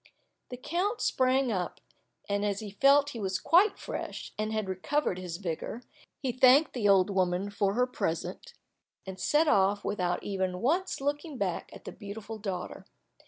The count sprang up, and as he felt that he was quite fresh, and had recovered his vigor, he thanked the old woman for her present, and set off without even once looking back at the beautiful daughter.